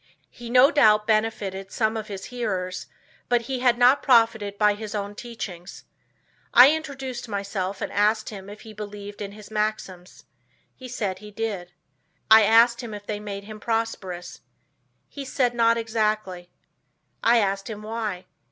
He no doubt benefited some of his hearers, but he had not profited by his own teachings. I introduced myself and asked him if he believed in his maxims. He said he did. I asked him if they had made him prosperous. He said not exactly. I asked him why.